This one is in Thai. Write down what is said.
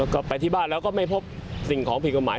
ก็ไปที่บ้านแล้วก็ไม่พบสิ่งของผิดกฎหมาย